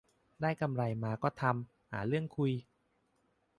ได้กำไรมาก็มาทำ หาเรื่องคุย